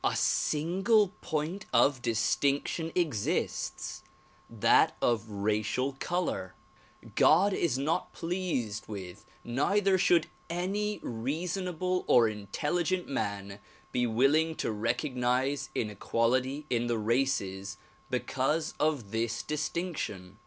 A single point of distinction exists; that of racial color. God is not pleased with, neither should any reasonable or intelligent man be willing to recognize inequality in the races be cause of this distinction.